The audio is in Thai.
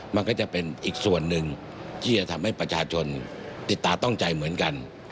มันก็จะเป็นอีกส่วนหนึ่งที่จะทำให้ประชาชนติดตาต้องใจเหมือนกัน